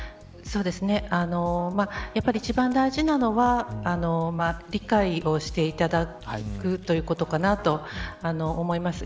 やっぱり一番大事なのは理解をしていただくということかなと思います。